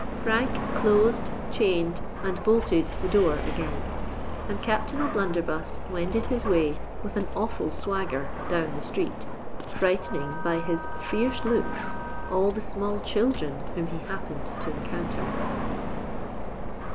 Frank closed, chained, and bolted the door again; and Captain O'Blunderbuss wended his way with an awful swagger down the street, frightening by his fierce looks all the small children whom he happened to encounter.